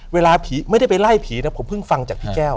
เวลาผีไม่ได้ไปไล่ผีนะผมเพิ่งฟังจากพี่แก้ว